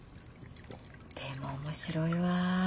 でも面白いわ。